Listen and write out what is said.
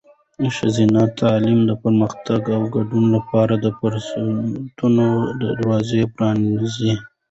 ښځینه تعلیم د پرمختګ او ګډون لپاره د فرصتونو دروازې پرانیزي.